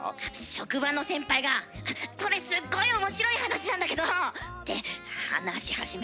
職場の先輩が「これすっごい面白い話なんだけど」って話し始めたとき。